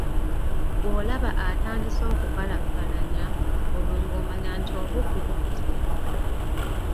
Bw'olaba atandise okupalapalanya, olwo ng'omanya nti obubbi bukuze.